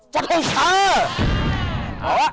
จัดการค่ะ